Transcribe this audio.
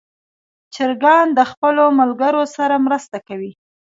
چرګان د خپلو ملګرو سره مرسته کوي.